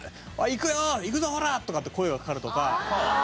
「行くよ！行くぞほら！」とかって声がかかるとか。